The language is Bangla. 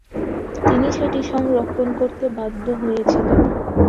তিনি সেটি সংরক্ষণ করতে বাধ্য হয়ে ছিলেন।